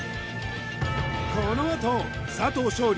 このあと佐藤勝利